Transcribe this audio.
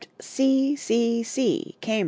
C. C., Camb.